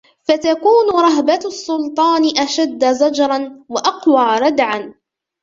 فَتَكُونُ رَهْبَةُ السُّلْطَانِ أَشَدَّ زَجْرًا وَأَقْوَى رَدْعًا